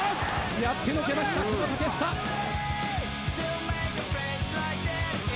やってのけました、久保建英。